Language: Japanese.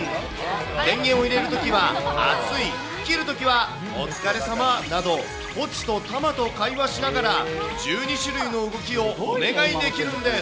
電源を入れるときはあつい、切るときはお疲れさまなど、ポチとタマと会話しながら、１２種類の動きをお願いできるんです。